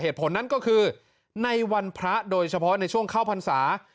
เหตุผลนั้นก็คือในวันพระโดยเฉพาะในช่วงเข้าพรรษา